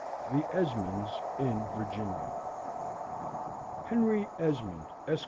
The Esmonds in Virginia Henry Esmond, Esq.